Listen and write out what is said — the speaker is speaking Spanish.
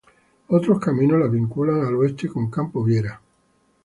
Otro camino la vincula al oeste con Campo Viera.